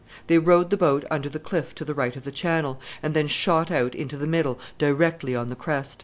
They rowed the boat under the cliff to the right of the channel, and then shot out into the middle, directly on the crest.